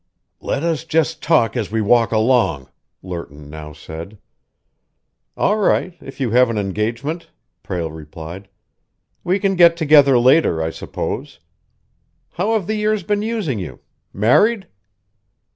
"Let us just talk as we walk along," Lerton now said. "All right, if you have an engagement," Prale replied. "We can get together later, I suppose. How have the years been using you? Married?"